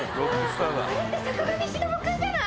あれって坂上忍君じゃない？